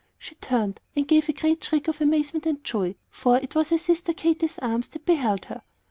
She turned, and gave a great shriek of amazement and joy, for it was her sister Katy's arms that held her.